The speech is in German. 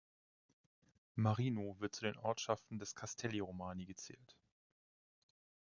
Marino wird zu den Ortschaften der Castelli Romani gezählt.